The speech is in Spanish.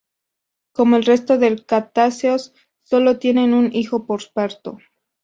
Como el resto de cetáceos, sólo tienen un hijo por parto.